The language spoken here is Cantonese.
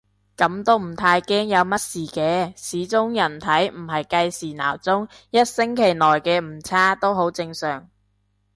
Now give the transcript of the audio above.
噉都唔太驚有乜事嘅，始終人體唔係計時鬧鐘，一星期內嘅誤差都好正常